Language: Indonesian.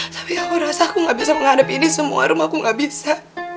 tapi aku rasa aku nggak bisa menghadapi ini semua rumahku nggak bisa